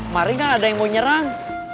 mari gak ada yang mau nyerang